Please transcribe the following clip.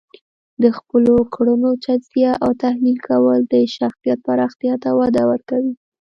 د خپلو کړنو تجزیه او تحلیل کول د شخصیت پراختیا ته وده ورکوي.